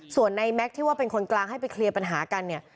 เพราะที่ว่าเป็นคนกลางให้ไปเคลียร์ปัญหากันเนี่ย